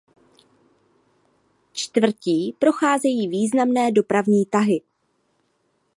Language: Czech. Čtvrtí procházejí významné dopravní tahy.